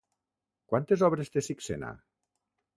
Quantes obres té Sixena?